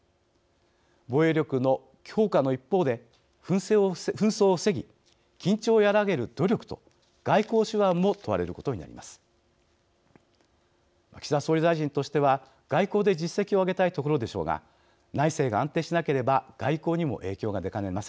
防衛力の強化の一方で紛争を防ぎ緊張を和らげる努力と外交手腕も問われることになります。